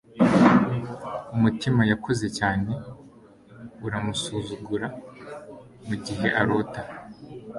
Umutima yakoze cyane uramusuzugura mugihe arota